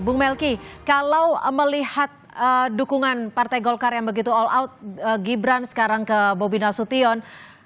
bung melki kalau melihat dukungan partai golkar yang begitu all out gibran sekarang ke bobi nasution